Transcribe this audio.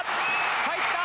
入った！